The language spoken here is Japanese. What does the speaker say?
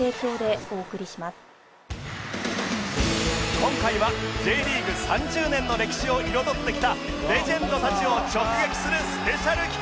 今回は Ｊ リーグ３０年の歴史を彩ってきたレジェンドたちを直撃するスペシャル企画！